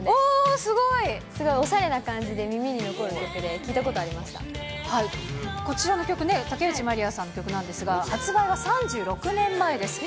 すごいおしゃれな感じで耳に残る感じで、こちらの曲ね、竹内まりやさんの曲なんですが、発売は３６年前です。